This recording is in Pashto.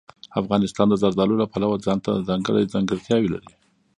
افغانستان د زردالو له پلوه ځانته ځانګړې ځانګړتیاوې لري.